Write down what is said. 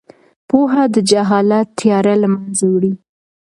پوهه د جهالت تیاره له منځه وړي.